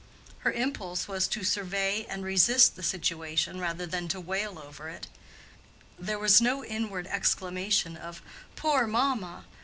Her impulse was to survey and resist the situation rather than to wail over it. There was no inward exclamation of "Poor mamma!"